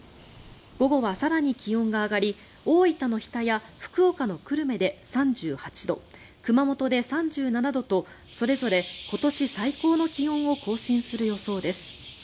午後は更に気温が上がり大分の日田や福岡の久留米で３８度熊本で３７度とそれぞれ今年最高の気温を更新する予想です。